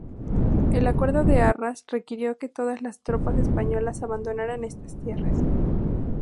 El acuerdo de Arras requirió que todas las tropas españolas abandonaran estas tierras.